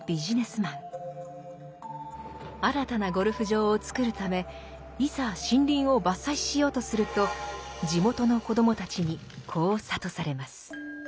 新たなゴルフ場をつくるためいざ森林を伐採しようとすると地元の子どもたちにこう諭されます。